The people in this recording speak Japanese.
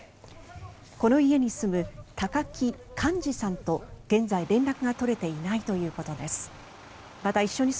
この家に住む高木寛治さんと現在、連絡が取れていないということです。